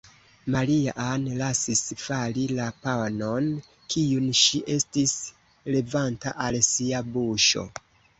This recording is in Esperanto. Maria-Ann lasis fali la panon, kiun ŝi estis levanta al sia buŝo.